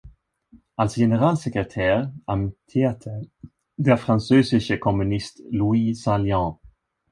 Als Generalsekretär amtierte der französische Kommunist Louis Saillant.